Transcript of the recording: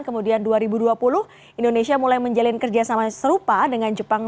kemudian dua ribu dua puluh indonesia mulai menjalin kerjasama serupa dengan jepang